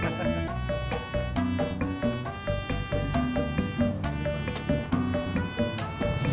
gue duluan ya